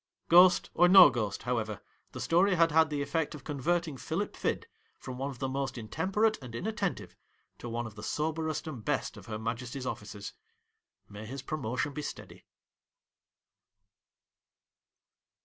Ghost or no ghost, however, the story had had the effect of converting Philip Fid from one of the most intemperate and inattentive to one of the soberest and best of Her Majesty's officers. May his promotion be speedy